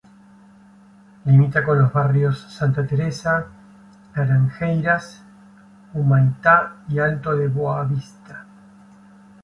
Limita con los barrios Santa Teresa, Laranjeiras, Humaitá y Alto da Boa Vista.